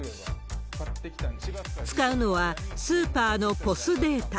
使うのは、スーパーのＰＯＳデータ。